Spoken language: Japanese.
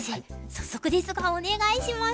早速ですがお願いします。